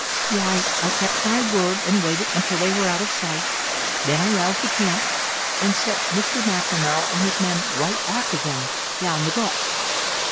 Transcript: "Why, I kept my word and waited until they were out of sight, then I roused the camp, and set Mr. McNamara and his men right after them down the gulch."